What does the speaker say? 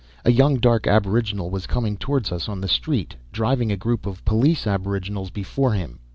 A young, dark aboriginal was coming toward us on the "street," driving a group of police aboriginals before him.